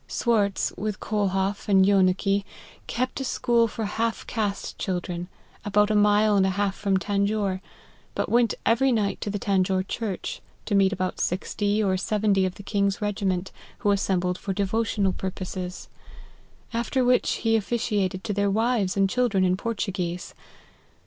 Swartz, with KolhofF and Jcenicke, kept a school for half caste children, about a mile and a half from Tanjore ; but went every night to the Tanjore church, to meet about sixty or seventy of the king's regiment, who assembled for devotional purposes : after which he officiated to their wives and children in Portuguese.